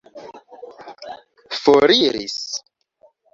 foriris